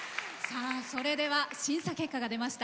それでは審査結果が出ました。